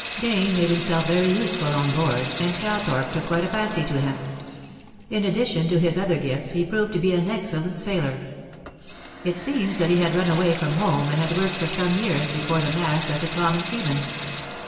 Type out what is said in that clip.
Dane made himself very useful on board, and Calthorpe took quite a fancy to him. In addition to his other gifts he proved to be an excellent sailor. It seems that he had run away from home, and had worked for some years before the mast as a common seaman.